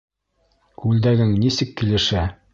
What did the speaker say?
Күлдәгең нисек килешә!